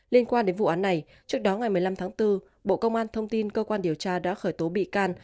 liên quan đến vụ án này trước đó ngày một mươi năm tháng bốn bộ công an thông tin cơ quan điều tra đã khởi tố bị can